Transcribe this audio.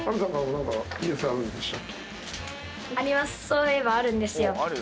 そういえばあるんですよ。